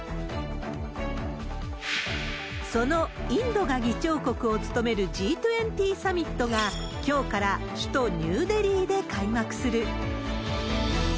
そのインドが議長国を務めるＧ２０サミットが、きょうから首都ニューデリーで開幕する。